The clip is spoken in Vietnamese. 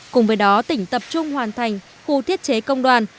cùng với đó tỉnh tập trung hoàn thành khu thiết chế công đoàn